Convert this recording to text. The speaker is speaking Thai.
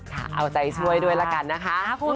ค่ะเอาใจสวยด้วยละกันนะคะ